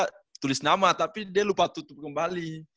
dia tulis nama tapi dia lupa tutup kembali